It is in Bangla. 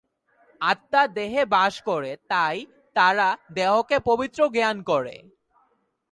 আত্মা দেহে বাস করে তাই তারা দেহকে পবিত্র জ্ঞান করে।